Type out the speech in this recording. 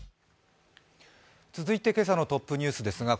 続いて、今朝のトップニュースです。